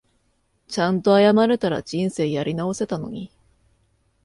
ちゃんと謝れたら人生やり直せたのに